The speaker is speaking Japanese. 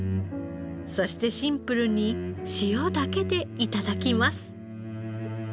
そしてシンプルに塩だけで頂きます。